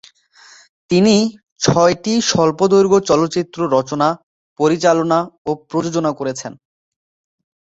তিনি ছয়টি স্বল্পদৈর্ঘ্য চলচ্চিত্র রচনা, পরিচালনা ও প্রযোজনা করেছেন।